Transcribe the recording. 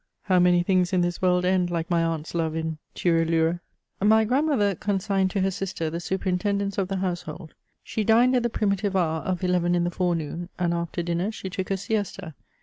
How many things in this world end, like my aunt's love, in ture hire I My grandmother consigned to her sister the superintendence of the household. She dined at the primitive hour of eleven in the forenoon, and after dinner she took a siesta.